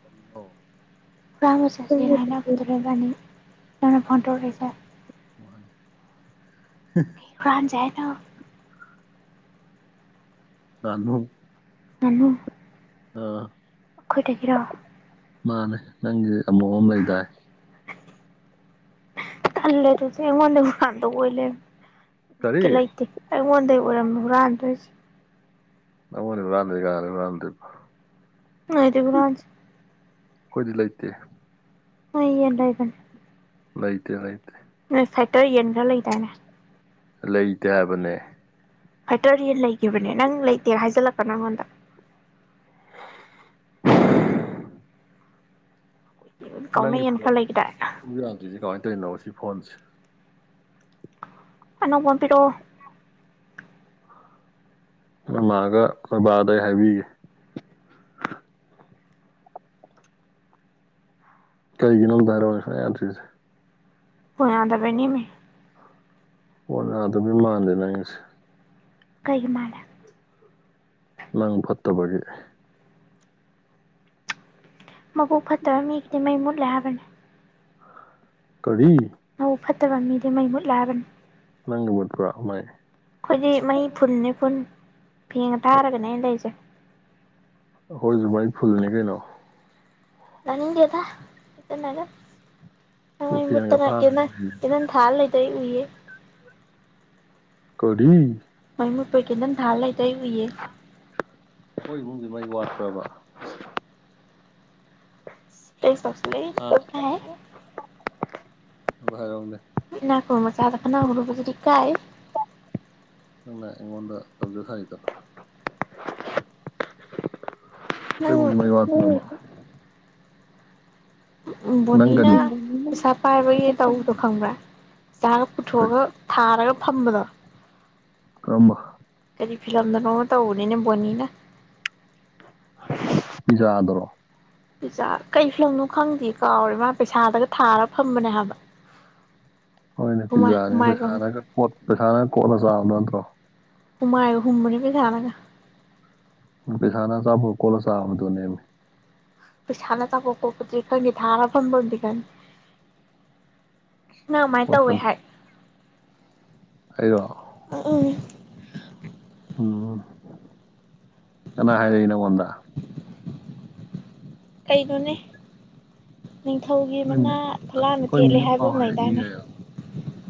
ꯀꯔꯤꯅꯣ [inaudible] ꯄꯨꯔꯥꯃꯣ [inaudible] ꯆꯁꯦ ꯍꯥꯏꯅꯕꯗꯨꯔ ꯕꯅꯤ ꯌꯥꯝꯅ ꯐꯟꯗꯣꯔꯦꯁꯦ [unintelligible] ꯍꯝ ꯔꯨꯔꯥꯟꯖ [inaudible] ꯍꯥꯏꯅꯣ ꯂꯅꯨ [inaudible] ꯆꯃꯣ [inaudible] ꯑꯥ ꯈꯣꯏ ꯗꯒꯤꯔꯣ ꯃꯥꯅꯦ ꯅꯪꯒꯤ ꯑꯃꯣꯝꯃ ꯂꯩꯗꯥꯏ ꯊꯂꯦ ꯑꯗꯨꯗꯤꯉꯣꯟꯗ ꯀꯥꯟꯗꯧꯕꯂꯦ ꯀꯔꯤ ꯎꯠꯀꯦ ꯂꯩ ꯂꯩꯇꯦ ꯑꯩꯉꯣꯟꯗꯒꯤꯩ ꯑꯣꯏꯔꯝꯃꯤ ꯍꯨꯔꯥꯟꯗꯣꯏꯁꯦ ꯅꯅꯦꯔꯥꯗꯔꯀꯔꯥꯗ ꯅꯣꯏꯗꯩ ꯍꯨꯔꯥꯟꯁꯦ ꯍꯣꯏꯗꯤ ꯂꯩ ꯂꯩꯇꯦ ꯑ ꯏ ꯂꯏꯕ ꯂꯩꯥꯏꯇ ꯍꯥꯏ ꯇ ꯌꯦꯟ ꯈ꯭ꯔ ꯂꯩꯗꯥꯏꯅꯦ ꯂꯩꯇꯦ ꯍꯥꯏꯕꯅꯦ ꯐꯇꯥꯔꯤ ꯂꯩꯈꯤꯕꯅꯦ ꯅꯪ ꯂꯩꯇꯦ ꯍꯥꯏꯖꯤꯜꯂꯛꯄ ꯅ ꯅꯪꯉꯣꯟꯗ ꯀꯥꯎꯅ ꯅꯪꯒꯤ ꯌꯦꯟ ꯐꯣꯟ ꯈꯔ ꯂꯩꯒꯤꯗꯥꯏ ꯌꯥꯥꯟꯗ꯭ꯣꯏꯁꯦ ꯀꯃꯥꯏꯅ ꯇꯧꯔꯤꯅꯣ ꯁꯤ ꯐꯣꯟꯁꯦ ꯑꯅ ꯀꯄꯤꯔꯣ ꯃꯥꯒ ꯃꯔꯕꯥꯗ ꯍꯥꯏꯕꯤ ꯀꯩꯒꯤꯅꯣ ꯑꯃꯇ ꯍꯥꯏꯔꯀꯣꯅꯦ ꯌꯥꯗꯔ꯭ꯤꯁꯦ ꯌꯥꯗꯕꯩꯅꯦꯃꯤ ꯑꯣꯅ ꯑꯗꯨꯃꯤ ꯃꯥꯥꯟꯗꯅ ꯉꯁ [unintelligible] ꯀꯩ ꯃꯥꯂꯦ ꯇꯕꯒꯤ ꯃꯕꯨꯛ ꯐꯠꯇꯕ ꯃꯤꯒꯤꯗꯤ ꯃꯩ ꯃꯨꯠꯂꯦ ꯍꯥꯏꯕꯅꯦ ꯀꯔꯤ ꯅ ꯐꯠꯇꯕ ꯃꯤꯗꯤ ꯃꯩ ꯃꯨꯠꯂꯑꯕꯅꯤ ꯅꯪ ꯃꯣꯠ ꯀꯔ ꯃꯥꯦ ꯐꯦꯡꯒ ꯊꯥꯔꯒꯅꯦ ꯑꯩꯅ ꯂꯩꯁꯦ ꯑꯩꯈꯣꯏꯁꯨꯕꯥꯥꯏ ꯐꯨꯜꯅꯦ ꯀꯩꯅꯣ ꯇꯥꯅꯤꯡꯗꯦꯗ ꯑꯇꯝꯅꯅ ꯑꯩ ꯃꯩ ꯐꯦꯟꯒ ꯃꯨꯠꯇꯅ ꯀꯦꯟꯗꯟ ꯊꯥꯔꯒꯅꯤ ꯂꯩꯔꯤꯁꯦ ꯀꯦꯟꯗꯟ ꯊꯥꯜ ꯂꯩꯗ ꯑꯩ ꯎꯏꯔꯦ ꯀꯔꯤ ꯃꯩ ꯃꯨꯠꯄꯩ ꯀꯦꯟꯗꯜ ꯊꯥꯟ ꯂꯩꯗ ꯑꯩ ꯎꯏꯔꯦ ꯍꯣꯏ ꯏꯃꯨꯡꯗꯤ ꯃꯩ ꯋꯥꯠꯄ꯭ꯔꯕ ꯀꯩꯁ ꯇꯧꯁꯜꯂꯛꯏ ꯏꯀꯥꯏꯍꯦ ꯑꯃꯇ ꯍꯥꯏꯔꯛꯎꯅꯦ ꯏꯅꯥꯈꯨꯟꯕ ꯃꯆꯥꯗ ꯈꯠꯅ ꯍꯧꯔꯨꯕꯖꯤꯗꯤ ꯏꯀꯥꯏꯍꯦ ꯅ ꯑꯩꯉꯣꯟꯗ ꯇꯧꯖꯁꯥꯏꯗꯣ ꯅꯪ ꯑꯟꯏꯟꯇꯦꯜꯂꯤꯖꯦꯕꯜ ꯅꯪ ꯕꯣꯅꯤꯅ ꯀꯔꯤ ꯄꯩꯁꯥ ꯄꯥꯏꯕꯒꯤ ꯇꯧꯕꯗꯣ ꯈꯪꯕ꯭ꯔꯥ ꯆꯥꯒ ꯀꯔꯤ ꯄꯨꯊꯣꯛꯑꯒ ꯊꯥꯔꯒ ꯐꯝꯕꯗꯣ ꯀꯔꯝꯕ ꯀꯔꯤ ꯐꯤꯂꯝꯗꯅꯣꯡꯃ ꯇꯧꯕꯅꯤꯅꯦ ꯕꯣꯅꯤꯅ ꯄꯤꯖꯥꯗꯔꯣ ꯄꯤꯖꯥ ꯀꯩ ꯐꯤꯂꯝꯅꯣ ꯈꯪꯗꯤꯌꯦ ꯀꯥꯎꯔꯦ ꯃꯥ ꯄꯩꯁꯥꯗꯒ ꯊꯥꯔ ꯐꯝꯕꯅꯦ ꯍꯥꯏꯕ ꯍꯣꯏꯅꯦ ꯍꯨꯃꯥꯏ ꯄꯤꯖꯥꯅꯤ ꯍꯨꯃꯥꯏꯒ ꯄꯩꯁꯥꯅꯒ ꯀꯣꯠ ꯄꯩꯁꯥꯅꯒ ꯀꯣꯠꯂꯒ ꯆꯥꯕꯗꯣ ꯅꯠꯇ꯭ꯔꯣ ꯍꯨꯃꯥꯏ ꯍꯨꯝꯕꯅꯤ ꯄꯩꯁꯥꯅꯒ ꯄꯩꯁꯥꯅ ꯑꯆꯥꯄꯣꯠ ꯀꯣꯠꯂ ꯆꯥꯕꯗꯨꯅꯦꯕ ꯄꯩꯁꯥꯅ ꯑꯆꯥꯄꯣꯠ ꯈꯣꯄꯗꯤ ꯈꯪꯗꯦ ꯊꯥꯔ ꯐꯕꯗꯤ ꯈꯪꯉꯤ ꯅꯪ ꯑꯗꯨꯃꯥꯏꯅ ꯇꯧꯋꯦ ꯀꯣꯠꯄꯅꯤ ꯍꯥꯏ ꯑꯩꯔꯣ ꯑꯝ ꯑꯝ ꯎꯝ ꯀꯅꯥ ꯍꯥꯏꯔꯛꯏ ꯅꯪꯉꯣꯟꯗ ꯀꯩꯩꯅꯣꯅꯦ ꯅꯤꯡꯊꯧꯒꯤ ꯃꯅꯥ ꯑꯩꯈꯣꯏ ꯐꯛꯂꯥꯡꯗ ꯊꯦꯠꯂꯦ ꯃꯤꯅ ꯍꯥꯏꯕ ꯄꯥꯎ ꯑꯃ ꯍꯥꯏꯔꯛꯏ ꯂꯩꯗꯥꯏꯅꯦ ꯀꯥꯏꯌꯣ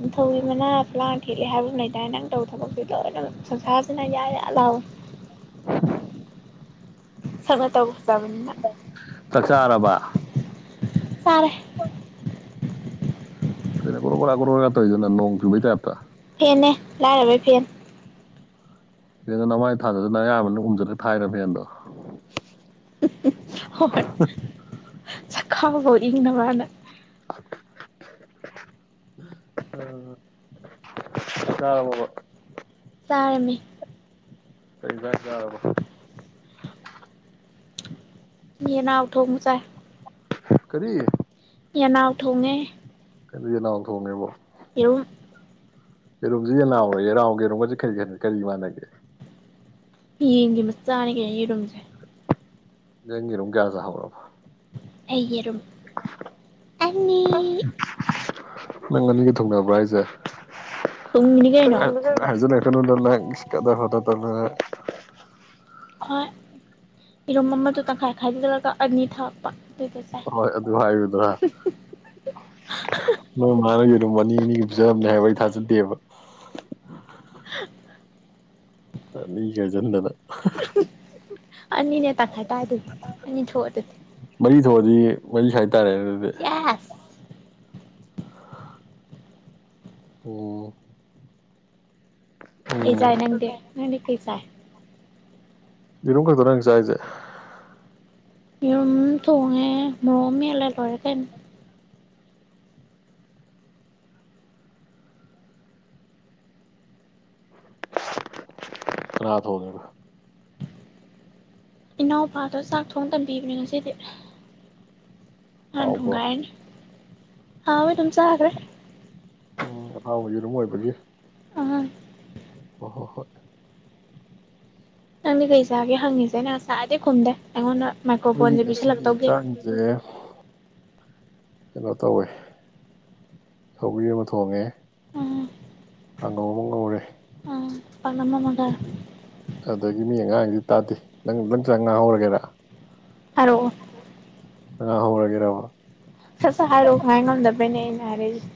ꯅꯤꯠꯊꯧꯒꯤ ꯃꯅꯥ ꯐꯛꯂꯥꯡ ꯗ ꯊꯦꯠꯂꯦ ꯍꯥꯏꯕ ꯂꯩꯗꯥꯏꯅꯦ ꯅꯪ ꯇꯧ ꯊꯕꯛꯇꯨ ꯂꯣꯏꯅ ꯁꯪꯁꯥꯁꯤꯅ ꯌꯥ ꯂꯥꯎꯏꯦ ꯁꯛꯅ ꯇꯧ ꯐꯖꯕꯅꯤꯅ ꯆꯥꯛ ꯆꯥꯔꯕ ꯆꯥꯔꯦ ꯀꯩꯅꯣ ꯒꯣꯔꯣ ꯒꯔꯥ ꯒꯣꯔꯣ ꯒꯔꯥ ꯇꯧꯏꯗꯨꯅ ꯅꯣꯡ ꯆꯨꯕꯩ ꯇꯥꯏꯞꯇꯥ ꯅꯦ ꯂꯥꯏꯔꯕꯩ ꯐꯦꯟ ꯐꯦꯟꯗꯣ ꯅꯃꯥꯏ ꯊꯥꯖꯜꯂ ꯅꯌꯥ ꯃꯅꯨꯡ ꯎꯝꯖꯜꯂ ꯊꯥꯏꯔ ꯐꯦꯟꯗꯣ ꯍꯝꯍꯝ ꯍꯣꯏ ꯆꯥꯛꯈꯥꯎꯗꯣ ꯏꯪꯅꯕꯅ ꯑꯟꯏꯟꯇꯦꯜꯂꯤꯖꯦꯕꯜ ꯑ ꯆꯥꯔꯕꯣꯕ ꯆꯥꯔꯦꯃꯤ ꯀꯩ ꯏꯟꯖꯥꯡ ꯆꯥꯔꯕ ꯌꯦꯅꯥꯎ ꯊꯣꯡꯕꯆꯥꯏ ꯀꯔꯤ ꯌꯦꯅꯥꯎ ꯊꯣꯡꯉꯦ ꯀꯩꯅꯣ ꯌꯦꯅꯥꯎ ꯊꯣꯡꯉꯦꯕꯣ ꯌꯦꯔꯨꯝ ꯌꯦꯔꯨꯝꯁꯤ ꯌꯦꯅꯥꯎ ꯔ ꯌꯦꯅꯥꯎꯒ ꯌꯦꯔꯨꯝꯒꯁꯦ ꯈꯔꯤ ꯈꯔꯤ ꯀꯔꯤ ꯃꯥꯟꯅꯒꯦ ꯌꯦꯟꯒꯤ ꯃꯆꯥꯥꯅꯤ ꯀꯩꯅꯣ ꯌꯦꯔꯨꯝꯁꯦ ꯅꯪ ꯌꯦꯔꯨꯝ ꯀꯌꯥ ꯆꯥꯍꯧꯔꯕ ꯑꯩ ꯌꯦꯔꯨꯝ ꯑꯅꯤ ꯅꯪ ꯑꯅꯤꯒ ꯊꯨꯡꯅꯕ꯭ꯔꯥ ꯍꯥꯏꯁꯦ ꯊꯣꯡꯉꯤꯅꯤ ꯀꯩꯅꯣ ꯑꯟꯏꯟꯇꯦꯜꯂꯤꯖꯦꯕꯜ ꯃꯂ ꯍꯣꯏ ꯏꯔꯨꯝ ꯑꯃꯗꯣ ꯇꯪꯈꯥꯏ ꯈꯥꯏꯗꯂꯒ ꯑꯅꯤ ꯊꯣꯛꯄ ꯍꯣꯏ ꯑꯗꯨ ꯍꯥꯏꯌꯨꯗꯅ ꯅꯣꯏ ꯃꯥꯅ ꯌꯦꯔꯨꯝ ꯑꯅꯤ ꯒꯤ ꯄꯤꯖꯕꯅꯦ ꯍꯥꯏꯕ ꯑꯩ ꯊꯥꯖꯗꯦꯕ ꯑ ꯃꯤꯒ ꯆꯟꯗꯅ ꯑꯅꯤꯅꯦ ꯇꯪꯈꯥꯏ ꯇꯥꯔꯤꯗꯨꯗꯤ ꯑꯅꯤ ꯊꯣꯛꯑ ꯗꯨꯗꯤ ꯃꯔꯤ ꯊꯣꯛꯑꯗꯤ ꯃꯔꯤ ꯍꯥꯏꯇꯥꯔꯦ ꯑꯗꯨꯗꯤ ꯌꯦꯁ ꯑꯣ ꯀꯩ ꯆꯥꯏ ꯅꯪꯗꯤ ꯅꯪꯗꯤ ꯀꯩ ꯆꯥꯏ ꯌꯦꯔꯨꯝ ꯈꯛꯇꯔꯣ ꯅꯪ ꯆꯥꯏꯁꯦ ꯌꯦꯔꯝ ꯊꯣꯡꯉꯦ ꯃꯣꯔꯣꯛ ꯑꯃꯥ ꯃꯦꯠꯂꯦ ꯂꯣꯏꯔꯦ ꯀꯩꯅ ꯉꯥ ꯊꯣꯡꯒꯦ ꯏꯅꯥꯎꯄꯥꯗꯣ ꯆꯥꯛ ꯊꯣꯡ ꯇꯝꯕꯤꯕꯅꯦ ꯉꯁꯤꯗꯤ ꯃꯅꯥ ꯍꯥꯎꯕ꯭ꯔꯣ ꯊꯣꯡꯒꯥꯏꯔꯤꯅꯦ ꯍꯥꯎꯋꯦ ꯑꯗꯨꯝ ꯆꯥꯒꯔ꯭ꯦ ꯎꯝ ꯑꯥꯎ ꯌꯦꯔꯨꯝ ꯑꯣꯏꯕꯒꯤ ꯑ ꯍꯣ ꯍꯣ ꯍꯣꯏ ꯅꯪꯗꯤ ꯀꯩ ꯆꯥꯒꯦ ꯍꯪꯉꯤꯁꯦ ꯉꯥꯁꯥꯏꯗꯩꯩ ꯈꯨꯝꯗꯦ ꯑꯩꯉꯣꯟꯗ ꯑꯩꯈꯣꯏꯒꯤ ꯃꯥꯏꯀ꯭ꯔꯣꯐꯣꯟꯁꯦ ꯉꯁꯤꯒꯤ ꯄꯤꯁꯜꯂꯛꯇꯧꯒꯦ ꯏꯟꯁꯥꯡꯁꯦ ꯀꯩꯅꯣ ꯇꯧꯋꯦ ꯁꯧꯒꯔ꯭ꯤ ꯑꯃ ꯊꯣꯡꯉꯦ ꯎꯝ ꯀꯪꯉꯧ ꯑꯃ ꯉꯧꯔꯦ ꯎꯝ ꯄꯥꯛꯅꯝ ꯑꯃꯒ ꯑꯗꯒꯤ ꯑꯗꯨꯗꯒꯤ ꯃꯤ ꯑꯉꯥꯡꯗꯤ ꯇꯥꯗꯦ ꯅꯪ ꯅꯪ ꯆꯥꯛ ꯉꯥꯡꯍꯧꯔꯒꯦꯔꯥ ꯑꯔꯣꯑꯣ ꯉꯥꯡꯍꯧꯔꯒꯦꯔꯕ ꯁꯠ ꯁꯥꯠ ꯍꯥꯏꯔꯛꯑꯣ ꯉꯥꯏ ꯉꯝꯗꯕꯩꯅꯦ ꯑꯩꯅꯥ ꯍꯥꯌꯔꯛꯏꯁꯦ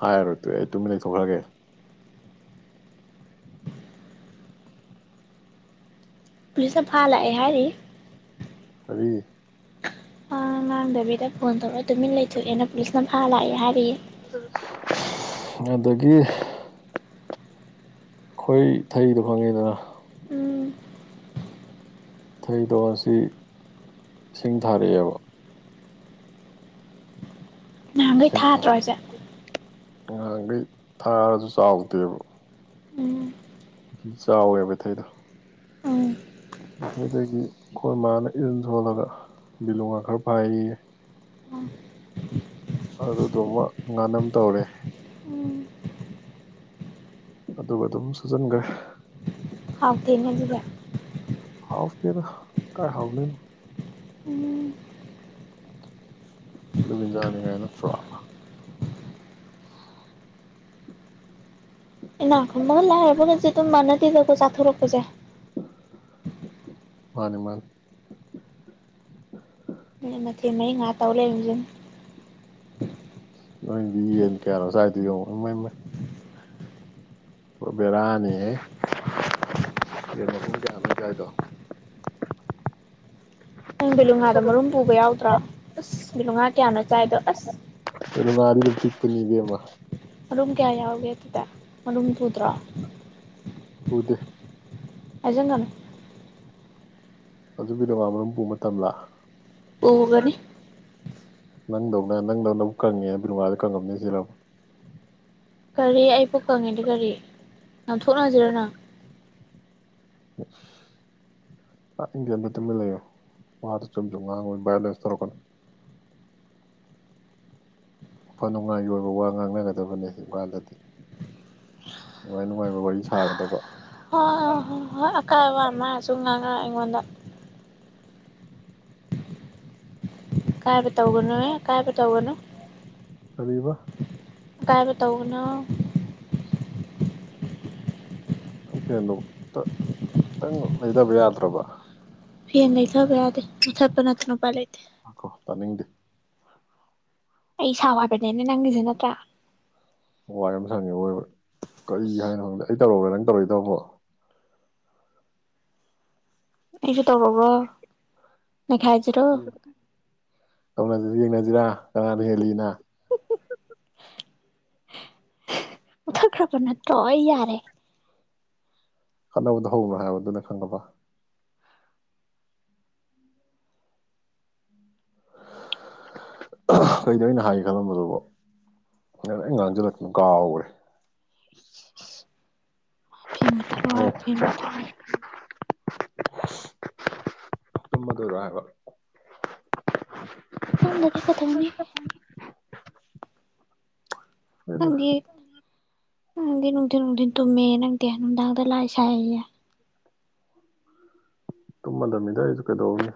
ꯍꯥꯏꯔꯣ ꯇꯤꯛꯑ ꯑꯩ ꯇꯨꯃꯤꯟꯅ ꯂꯩ ꯊꯣꯛꯈ꯭ꯔꯒꯦ ꯄꯣꯂꯤꯁ ꯅꯥ ꯐꯥ ꯂꯥꯛꯑꯦ ꯍꯥꯏꯔꯤꯌꯦ ꯀꯔꯤ ꯑ ꯉꯥꯡꯗꯕꯤꯗ ꯐꯣꯟ ꯇꯧꯔꯒ ꯇꯨꯃꯤꯟ ꯂꯩꯊꯣꯛꯑꯦꯅ ꯄꯨꯂꯤꯁꯅ ꯐꯥ ꯂꯥꯛꯑꯦ ꯍꯥꯏꯔꯛꯑꯦ ꯑꯗꯒꯤ ꯈꯣꯏ ꯊꯩꯗꯣ ꯈꯪꯉꯦꯗꯅ ꯎꯝ ꯊꯩꯗꯣꯛ ꯑꯁꯤ ꯏꯁꯤꯡ ꯊꯥꯔꯛꯑꯦꯕ ꯅꯍꯥꯟꯈꯩ ꯁꯤꯡ ꯊꯥꯗ꯭ꯔꯣ ꯊꯥꯔꯛ ꯍꯥꯏꯁꯦ ꯉꯍꯥꯟꯈꯩ ꯊꯥꯔꯁꯨ ꯆꯥꯎꯗꯦꯕ ꯎꯝ ꯆꯥꯎꯋꯦꯕ ꯊꯩꯗꯣ ꯎꯝ ꯑꯗꯨꯗꯒꯤ ꯑꯩꯈꯣꯏ ꯃꯥꯅ ꯏꯟ ꯁꯣꯜꯂꯒ ꯕꯤꯂꯨꯡꯉꯥ ꯈꯔ ꯐꯥꯏꯌꯦ ꯑꯗꯨꯗꯨꯃ ꯉꯥꯅꯝ ꯇꯧꯔꯦ ꯎꯝ ꯑꯗꯨꯒ ꯑꯗꯨꯝ ꯁꯨꯖꯤꯟꯈ꯭ꯔꯦ ꯍꯥꯎꯇꯦꯅꯦ ꯑꯗꯨꯗꯤ ꯍꯥꯥꯎꯇꯦꯗꯥ ꯀꯗꯥꯏ ꯍꯥꯥꯎꯗꯣꯏꯅꯣ ꯎꯝ ꯅꯨꯃꯤꯖꯥꯅꯤ ꯀꯥꯏ ꯅꯠꯇ꯭ꯔꯣ ꯏꯅꯥꯛ ꯈꯨꯨꯝꯕꯒ ꯂꯥꯏꯔꯕꯒꯗꯤ ꯑꯗꯨꯝ ꯃꯥꯟꯅꯗꯦꯗꯀꯣ ꯆꯥꯊꯣꯔꯛꯄꯁꯦ ꯃꯥꯅꯤ ꯃꯥꯅꯤ ꯑꯩ ꯃꯊꯦ ꯃꯍꯩ ꯉꯍꯥꯛ ꯇꯧ ꯂꯩꯨꯁꯤꯦ ꯅꯣꯏꯗꯤ ꯌꯦꯟ ꯀꯌꯥꯅꯣꯁꯥꯏꯏꯗ ꯌꯦꯡꯉꯣ ꯏꯝꯃ ꯏꯝꯃꯩ ꯑꯣ ꯕꯦꯔꯥꯅꯤꯍꯦ ꯌꯦ ꯀꯌꯥꯠꯇ ꯍꯥꯏꯗꯣ ꯅꯪ ꯕꯦꯂꯨꯉꯥꯗꯣ ꯃꯔꯨꯝ ꯄꯨꯕ ꯌꯥꯎꯗ꯭ꯔꯥ ꯑꯁ ꯕꯦꯂꯨꯡꯉꯥ ꯀꯌꯥꯅꯣ ꯆꯥꯏꯗꯣ ꯑꯁ ꯑꯗꯨ ꯃꯥ ꯄꯛꯇꯅꯤꯗꯦꯃ ꯃꯔꯨꯝ ꯀꯌꯥ ꯌꯥꯎꯒꯦ ꯑꯗꯨꯗ ꯃꯔꯨꯝ ꯇꯨꯗ꯭ꯔꯣ ꯎꯗ ꯑꯦꯖꯦꯟꯅ ꯑꯗꯨꯒꯤꯗ ꯋꯥꯃꯨꯝ ꯄꯨꯕ ꯃꯇꯝꯂꯥ ꯎꯒꯅꯤ ꯅꯪꯗꯧꯅ ꯅꯪꯗꯧꯅꯕꯨ ꯀꯪꯉꯦ ꯕꯤꯔꯃꯥꯗ ꯀꯪꯉꯝꯅꯤ ꯁꯤꯂ ꯀꯔꯤ ꯑꯩ ꯄꯀꯪꯉꯦꯗ ꯀꯔꯤ ꯉꯝꯊꯣꯛꯅꯁꯤꯔꯅ [unintelligible] ꯏꯟꯗꯤꯌꯥꯟꯗ ꯇꯃꯤ ꯂꯩꯌꯣ ꯋꯥꯥꯗ ꯆꯨꯝꯁꯨ ꯉꯥꯡꯉꯅꯤ ꯚꯏꯑꯣꯂꯦꯟꯁ ꯇꯧꯔꯛꯀꯅꯤ ꯑꯐ ꯅꯨꯡꯉꯥꯏꯒꯤ ꯑꯣꯏꯕ ꯋꯥ ꯉꯥꯡꯅꯒꯗꯕꯅꯤ ꯋꯥꯜꯗꯗꯤ ꯅꯨꯡꯉꯥꯏ ꯅꯨꯡꯉꯥꯏꯕ ꯋꯥꯔꯤ ꯁꯥꯒꯗꯕ ꯍꯣꯏ ꯍꯣꯏ ꯍꯣꯏ ꯑꯀꯥꯏꯕ ꯋꯥ ꯃꯥꯁꯨ ꯉꯥꯡꯉꯛ ꯑꯩꯉꯣꯟꯗ ꯀꯥꯏꯗ ꯇꯧꯒꯅꯣꯍ ꯀꯥꯏꯕ ꯇꯧꯒꯅꯣ ꯀꯕ ꯀꯥꯏ ꯇꯥꯎꯅ ꯅꯪ ꯐꯦꯟꯗꯣ ꯅꯪ ꯂꯩꯗꯕ ꯌꯥꯗ꯭ꯔꯕ ꯐꯅꯤ ꯁꯕ ꯌꯥꯗ ꯁꯠꯄ ꯅꯠꯇꯅꯨ ꯄꯂ ꯉꯥꯏꯈꯣ ꯇꯥꯅꯤꯡꯗꯦ ꯑꯩ ꯏꯁꯥ ꯋꯥꯕꯅꯦꯅꯦ ꯅꯪꯒꯤꯁꯦ ꯅꯠꯇ꯭ꯔꯥ ꯋꯥꯏ ꯌꯥꯝ ꯁꯪꯉ ꯑꯣꯏꯕ ꯀꯔꯤ ꯍꯥꯏꯅꯣ ꯈꯪꯗꯦ ꯑꯩ ꯇꯧꯔꯒꯦ ꯅꯪ ꯇꯧꯔꯛꯏ ꯇꯧꯕꯣ ꯑꯩꯁꯨ ꯇꯧꯔꯕꯣ ꯅꯈꯥꯏꯁꯤꯔꯣ ꯇꯅꯁꯤ ꯌꯦꯡꯅꯁꯤꯔꯥ ꯀꯅꯥꯅ ꯍꯦꯜꯂꯤꯅ ꯃꯊ ꯈ꯭ꯔꯕꯅ ꯇ ꯏ ꯌꯥꯔꯦ ꯈꯠꯅꯕꯗꯣ ꯍꯧ꯭ꯔꯣ ꯍꯥꯏꯕꯗꯨꯅ ꯈꯪꯉꯕ [unintelligible] ꯀꯩꯗ ꯑꯩꯅ ꯍꯥꯏꯒꯦ ꯈꯜꯂꯝꯕꯗꯨꯕꯣ ꯑꯗꯨ ꯉꯥꯡꯁꯤꯜꯂꯛꯇꯝ ꯀꯥꯎꯈ꯭ꯔꯦ ꯐꯦꯟ ꯃꯨꯊꯠꯂꯣ ꯐꯦꯟ ꯃꯨꯊꯠꯂꯣ ꯑꯣ ꯇꯨꯝꯝꯕꯗꯔ ꯍꯥꯏꯕ ꯇ ꯍꯗꯗꯤ ꯀ ꯇ ꯍꯅꯤ ꯑꯩꯅ ꯑꯗꯤ ꯑꯤꯟ ꯎꯗꯤꯗꯤꯟꯗꯨꯃꯦꯦ ꯅ ꯗ ꯅꯨꯡꯗꯥꯡꯗ ꯂꯥꯛ ꯁꯥꯏꯌꯦꯦ ꯇꯨꯝꯃꯗꯃꯤꯗ ꯑꯩꯁꯨ ꯀꯩꯗꯧꯅꯤ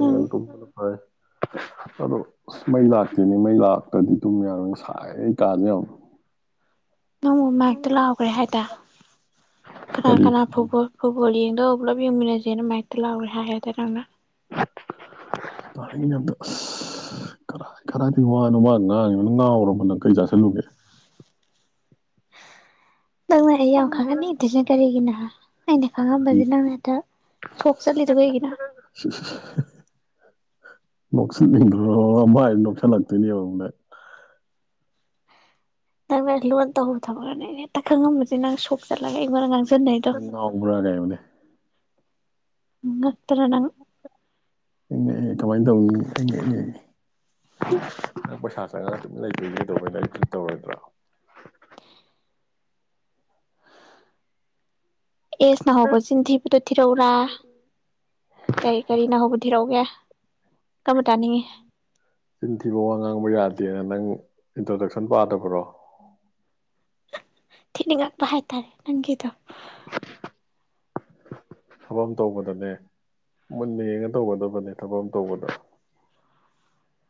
ꯅꯪ ꯇꯨꯝꯒꯅ ꯐꯥꯏ [unintelligible] ꯑꯗꯣ ꯑꯁ ꯃꯩ ꯂꯥꯛꯇꯦꯅꯦ ꯃꯩ ꯂꯥꯛꯇꯗꯤ ꯑꯗꯨꯝ ꯌꯥꯔꯣꯏ ꯁꯥꯏ ꯀꯥꯗ ꯌꯥꯎ ꯅꯪ ꯃꯦꯛꯇ ꯂꯥꯎꯈ꯭ꯔꯦ ꯍꯥꯏꯗ ꯀꯅꯥ ꯀꯔꯤ ꯀꯅꯥ ꯐꯥꯎꯕ ꯐꯨꯠꯕꯣꯜ ꯌꯦꯡꯗꯣ ꯄꯨꯂꯞ ꯌꯦꯡꯃꯤꯟꯅꯁꯦꯅ ꯃꯥꯥꯏꯛꯇ ꯂꯥꯎꯔꯦ ꯍꯥꯏꯗꯦ ꯅꯪꯅ ꯄꯅꯗ ꯀꯔꯥꯏ ꯀꯔꯏꯗꯒꯤ ꯋꯥꯅꯣ ꯃꯥ ꯉꯥꯡꯉꯤꯕꯅꯪ ꯉꯥꯎꯔꯝꯕ ꯅꯪ ꯀꯩ ꯆꯥꯁꯤꯜꯂꯨꯒꯦ ꯅꯪꯅ ꯑꯩ ꯌꯥꯝ ꯈꯪꯒꯅꯤ ꯑꯗꯨꯁꯤꯅ ꯀꯔꯤꯒꯤꯅꯍ ꯑꯩꯅ ꯈꯪꯉꯝꯁ ꯅꯪ ꯍꯦꯛꯇ ꯁꯣꯛ ꯆꯠꯂꯤꯗꯣ ꯀꯩꯒꯤꯅꯣ ꯃꯛꯁꯤꯅꯤꯡꯣꯃ ꯏꯣ ꯆꯂꯥꯛꯇꯅꯤ ꯋꯥꯅꯦ ꯅꯪ ꯂꯣꯟ ꯇꯧꯍꯧꯕ ꯊꯃꯛꯅꯦ ꯇ ꯈꯪꯉꯝꯁꯦ ꯅꯪ ꯁꯣꯛ ꯆꯠꯂꯒ ꯑꯩ ꯃꯔꯥꯡ ꯑꯣꯕ꯭ꯔꯒꯥꯏ ꯃ ꯉꯠꯇꯅ ꯑꯩꯅ ꯑꯦ ꯀꯃꯥꯏꯅ ꯇꯧꯅꯤ ꯅꯪ ꯄꯩꯁꯥ ꯆꯪꯉꯒ ꯑꯗꯨꯝ ꯂꯩꯗꯣꯏ ꯀꯩꯗꯧꯕꯩ ꯀꯒꯥꯔꯤ ꯀ ꯇꯧꯔꯣꯏꯗ꯭ꯔꯥ [inaudible] [unintelligible] ꯑꯦꯁ ꯅꯍꯧꯕ ꯆꯤꯟ ꯊꯤꯕꯨꯗ ꯊꯤꯔꯧꯔꯥ ꯀꯔꯤ ꯀꯔꯤ ꯅ ꯍꯧꯕ ꯊꯤꯔꯛꯎꯒꯦ ꯀꯔꯝꯕ ꯇꯥꯅꯤꯡꯉꯤ ꯆꯤꯟꯊꯤꯕ ꯋꯥ ꯉꯡꯕ ꯌꯥꯗꯦ ꯅꯪ ꯏꯟꯇ꯭ꯔꯣꯗꯛꯁꯟ ꯄꯥꯗꯕ꯭ꯔꯣ ꯊꯤꯅꯤꯡꯉꯛꯄ ꯍꯥꯏꯇꯥꯔꯦ ꯅꯪꯒꯤꯗꯣ ꯊꯕꯛ ꯇꯧꯕꯗꯅꯦ ꯃꯨꯟꯅ ꯌꯦꯡꯉ ꯇꯧꯒꯗꯕꯅꯦ ꯊꯕꯛ ꯑꯃ ꯇꯧꯕꯗ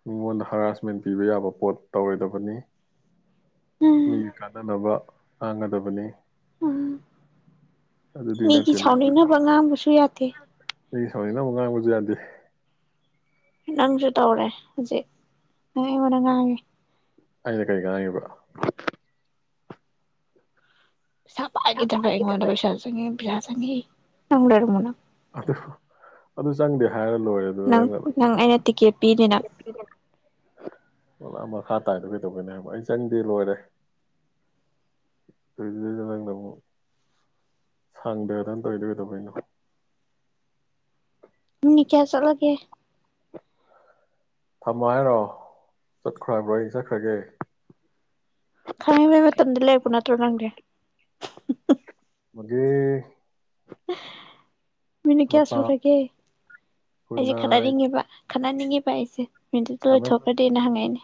ꯃꯤꯉꯣꯟꯗ ꯍꯔꯥꯁꯃꯦꯟ ꯄꯤꯕ ꯌꯥꯕ ꯄꯣꯠ ꯇꯧꯔꯣꯏꯗꯕꯅꯤ ꯎꯝ ꯃꯤ ꯀꯥꯟꯅꯅꯕ ꯉꯥꯡꯒꯗꯕꯅꯤ ꯎꯝ ꯑꯗꯨꯗꯤ ꯃꯤꯒꯤ ꯅꯠꯇꯦ ꯁꯥꯎꯅꯤꯡꯅꯕ ꯉꯥꯡꯕꯁꯨ ꯌꯥꯗꯦ ꯑꯩ ꯁꯅꯤꯅ ꯑꯃ ꯉꯥꯡꯕꯁꯨ ꯌꯥꯗꯦ ꯅꯪꯁꯨ ꯇꯧꯔꯦ ꯍꯧꯖꯤꯛ ꯅꯪ ꯑꯩꯉꯣꯟꯗ ꯉꯥꯡꯉꯦ ꯑꯩꯅ ꯀꯩ ꯀꯕ꯭ꯔ ꯁꯐꯒꯤ ꯇ ꯄꯕꯤꯁꯥꯤ ꯄꯕꯤꯁꯥ ꯆꯤ ꯅꯔ ꯃꯅ ꯑ ꯑꯗꯨ ꯑꯗꯨ ꯆꯪꯗ ꯍꯔ ꯂꯣꯏꯦ ꯑꯗꯨ ꯅꯪ ꯅꯪ ꯑꯩꯅ ꯇꯤꯛꯀꯦꯠ ꯄꯤꯅꯤ ꯅꯪ ꯑꯣꯂ ꯃꯈꯥ ꯇꯥꯏꯗ ꯀꯩꯗꯧꯒꯅꯦ ꯍꯥꯏꯕ ꯑꯩ ꯆꯪꯗꯦ ꯂꯣꯏꯔꯦ ꯏ ꯏꯅꯣ ꯁꯥꯡꯗꯦꯗꯥꯅ ꯇꯧꯋꯗꯣꯏ ꯀꯩꯗꯧꯕꯩꯅꯣ ꯅꯤ ꯀꯌꯥ ꯆꯠꯂꯒꯦ ꯊꯝꯃꯣ ꯍꯥꯏꯔꯣ ꯆꯠꯈ꯭ꯔꯣꯕ꯭ꯔꯣ ꯑꯩ ꯆꯠꯈ꯭ꯔꯒꯦ ꯈꯪꯉꯉꯩ ꯃꯇꯝꯗꯤ ꯂꯩꯔꯛꯄ ꯅꯠꯇ꯭ꯔꯣ ꯅꯪꯗꯤ ꯃꯗꯨꯒꯤ ꯃꯤꯅꯨ ꯀꯌꯥ ꯁꯨꯔꯒꯦ ꯑꯩꯁꯦ ꯈꯗꯔꯤꯉꯦꯕ ꯈꯠꯍꯅꯤꯡꯉꯤꯕ ꯑꯩꯁꯦ ꯅꯨꯃꯤꯠꯇꯨꯗ ꯂꯣꯏꯊꯣꯛꯈ꯭ꯔꯗꯤꯩꯅ ꯍꯪꯉꯛꯏꯅꯦ